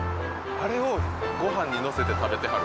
あれをご飯にのせて食べてはる